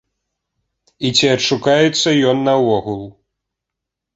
І ці адшукаецца ён наогул.